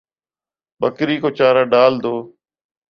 بکری کو چارہ ڈال دو